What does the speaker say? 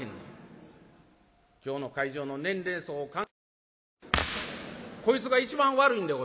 今日の会場の年齢層を鑑みましてこいつが一番悪いんでございます。